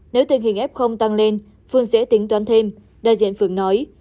nếu tình hình ép không tăng lên phường sẽ tính toán thêm đại diện phường nói